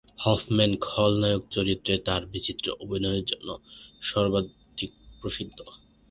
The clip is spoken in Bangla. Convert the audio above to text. হফম্যান খলনায়ক চরিত্রে তার বিচিত্র অভিনয়ের জন্য সর্বাধিক প্রসিদ্ধ।